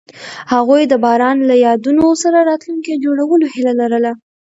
هغوی د باران له یادونو سره راتلونکی جوړولو هیله لرله.